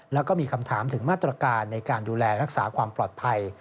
แล้วก็มีคำถามถึงมาตรการในการดูแลรักษาความปลอดภัย